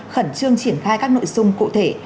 khẩn trương triển khai các nội dung cụ thể